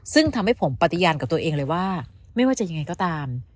ซึ่งทำให้ผมปฏิญาณกับตัวเองเลยว่าไม่ว่าจะยังไงก็ตาม